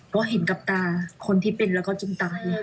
ก็เห็นกับตาคนที่ปีนแล้วก็จุ่มตังอยู่